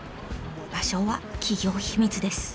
場所は企業秘密です。